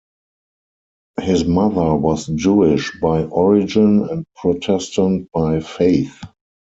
His mother was Jewish by origin and Protestant by faith.